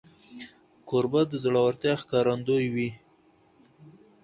کوربه د زړورتیا ښکارندوی وي.